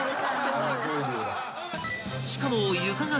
［しかも］